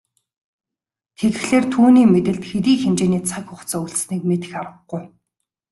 Тэгэхлээр түүний мэдэлд хэдий хэмжээний цаг хугацаа үлдсэнийг мэдэх аргагүй.